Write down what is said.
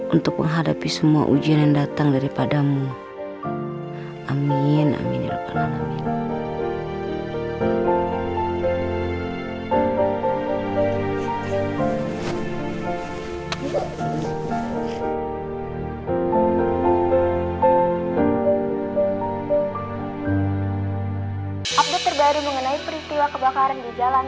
untuk menghadapi semua ujian yang datang daripadamu amin amin ya allah amin